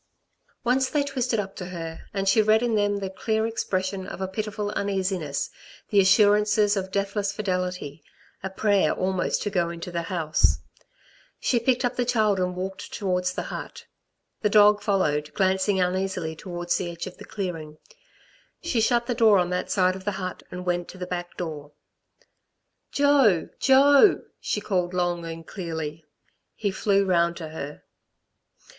Once they twisted up to her and she read in them the clear expression of a pitiful uneasiness, the assurance of deathless fidelity, a prayer almost to go into the house. She picked up the child and walked towards the hut. The dog followed, glancing uneasily towards the edge of the clearing. She shut the door on that side of the hut and went to the back door. "Jo! Jo!" she called long and clearly. He flew round to her.